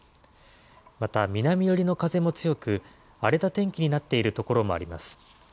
また南寄りの風も強く、荒れた天気になっている所もあります。